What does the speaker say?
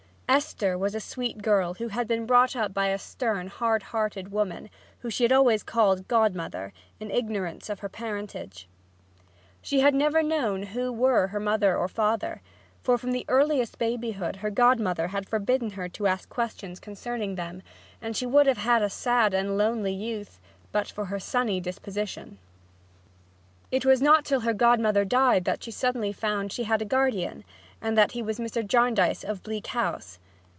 Esther was a sweet girl who had been brought up by a stern, hard hearted woman whom she had always called "godmother," in ignorance of her parentage. She had never known who were her mother or father, for from earliest babyhood her godmother had forbidden her to ask questions concerning them, and she would have had a sad and lonely youth but for her sunny disposition. It was not till her godmother died suddenly that she found she had a guardian, and that he was Mr. Jarndyce of Bleak House.